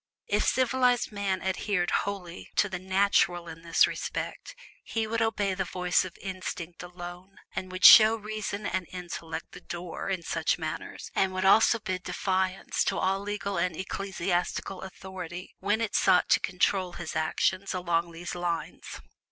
If civilized man adhered wholly to the "natural" in this respect, he would obey the voice of instinct alone, and would show reason and intellect the door in such matters, and would also bid defiance to all legal or ecclesiastical authority when it sought to "control" his activities along these lines.